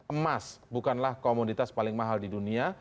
emas bukanlah komoditas paling mahal di dunia